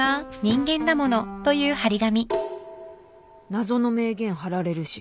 謎の名言貼られるし。